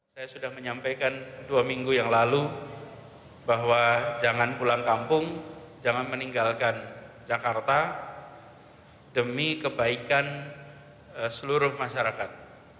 saya sudah menyampaikan dua minggu yang lalu bahwa jangan pulang kampung jangan meninggalkan jakarta demi kebaikan seluruh masyarakat